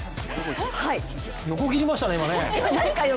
横切りましたね、今ね。